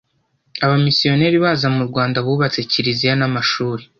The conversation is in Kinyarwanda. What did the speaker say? Abamisiyoneri baza murwanda bubatse kiliziya na mashuri